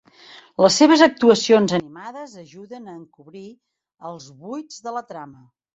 Les seves actuacions animades ajuden a encobrir els buits de la trama.